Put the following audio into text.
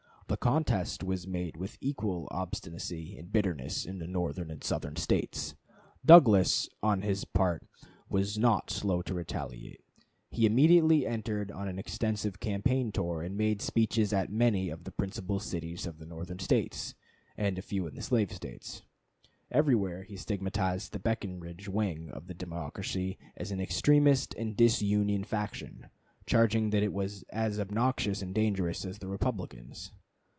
The contest was made with equal obstinacy and bitterness in the Northern and the Southern States. Douglas, on his part, was not slow to retaliate. He immediately entered on an extensive campaign tour, and made speeches at many of the principal cities of the Northern States, and a few in the slave States. Everywhere he stigmatized the Breckinridge wing of the Democracy as an extremist and disunion faction, charging that it was as obnoxious and dangerous as the Republicans.